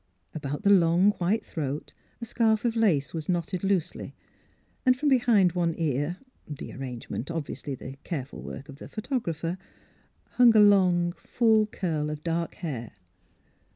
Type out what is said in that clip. About the long, white throat a scarf of lace was knotted loosely, and from behind one ear (the arrangement obviously the careful work of the photographer) hung a long, full curl of dark hair.